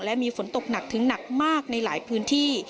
และมีฝนตกหนักถึงหนักมากในหลายพื้นที่